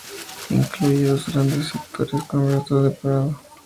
Incluye dos grandes sectores con restos de empedrado.